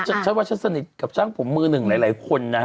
ฉันจะฉันสนิทกับช่างผมมือหนึ่งหลายหลายคนนะ